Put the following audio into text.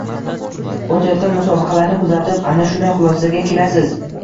O‘tayotgan musobaqalarni kuzatib, ana shunday xulosaga kelasiz.